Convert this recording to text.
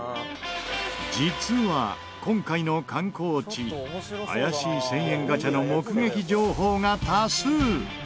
実は今回の観光地怪しい１０００円ガチャの目撃情報が多数。